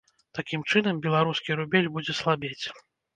Такім чынам, беларускі рубель будзе слабець.